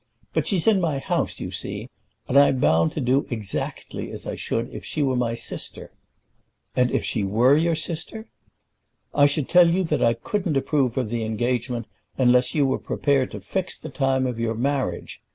But she's in my house, you see; and I'm bound to do exactly as I should if she were my sister." "And if she were your sister?" "I should tell you that I couldn't approve of the engagement unless you were prepared to fix the time of your marriage.